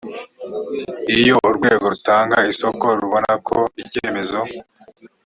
iyo urwego rutanga isoko rubona ko icyemezo